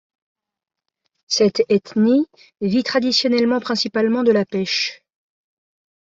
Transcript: Cette ethnie vit traditionnellement principalement de la pêche.